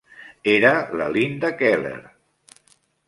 Era la Linda Keller!